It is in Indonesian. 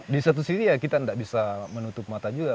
di satu sisi ya kita tidak bisa menutup mata juga